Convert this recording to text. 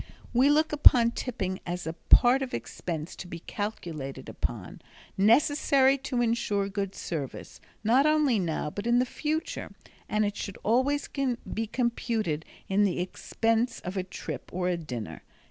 We look upon tipping as a part of expense to be calculated upon, necessary to insure good service, not only now but in the future, and it should always be computed in the expense of a trip or a dinner.